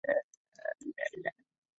父亲杨美益官至太仆寺少卿。